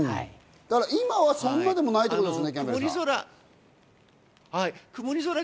今はそんなでもないってことですね？